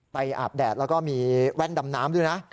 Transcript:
อาบแดดแล้วก็มีแว่นดำน้ำด้วยนะ